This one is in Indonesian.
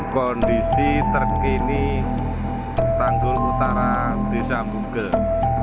kondisi terkini tanggul utara desa mugel